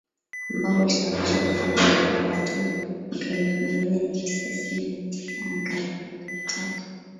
Ambao ulisababisha vifo vya maelfu ya watu mwaka elfu moja mia tisa tisini na tisa na mwaka elfu mbili na tatu.